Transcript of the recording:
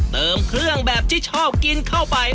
เติมเครื่องแบบที่ชอบกินเข้าไป